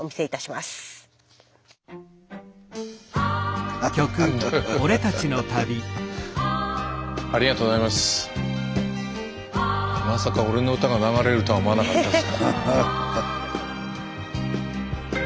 まさか俺の歌が流れるとは思わなかったです。